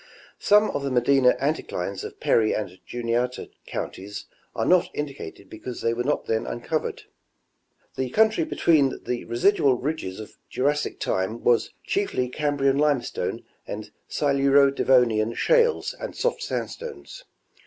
Some of the Medina anticlines of Perry and Juniata counties are not indi cated because they were not then uncovered. The country between the residual ridges of Jurassic time was chiefly Cam brian limestone and Siluro Devonian shales and soft sandstones.